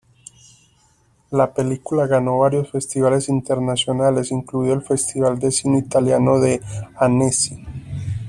La película ganó varios festivales internacionales, incluido el Festival de Cine Italiano de Annecy.